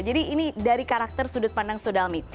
jadi ini dari karakter sudut pandang so dalmi